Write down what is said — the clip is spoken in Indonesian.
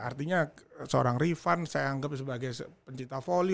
artinya seorang rifan saya anggap sebagai pencipta volley